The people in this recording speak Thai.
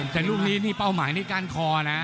แต่ลูกนี้เป้าหมายในก้านคอนะ